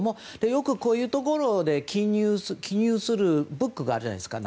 よくこういうところで記入するブックがあるじゃないでですか。